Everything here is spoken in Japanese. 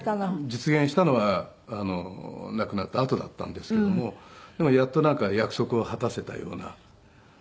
実現したのは亡くなったあとだったんですけどもでもやっとなんか約束を果たせたような。